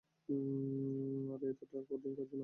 আরে এতোটা কঠিন কাজও না।